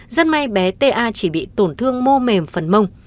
rất may bé t a chỉ bị tổn thương mô mềm phần mông